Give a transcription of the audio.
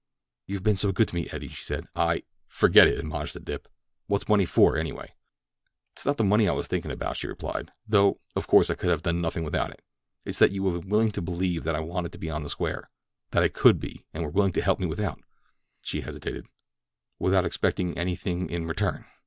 "You've been so good to me, Eddie," she said, "I—" "Forget it," admonished the Dip. "What's money for, anyway?" "It is not the money I was thinking about," she replied, "though, of course, I could have done nothing without it—it's that you have been willing to believe that I wanted to be on the square—that I could be, and were willing to help me without"—she hesitated—"without expecting anything in return."